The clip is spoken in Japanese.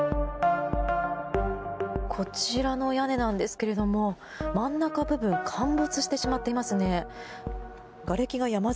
こちらの屋根なんですけれど真ん中部分陥没してしまっていますね。